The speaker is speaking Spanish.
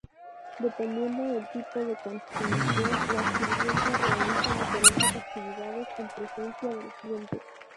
Dependiendo del tipo de consumición, la sirvienta realiza diferentes actividades en presencia del cliente.